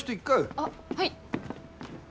あっはい！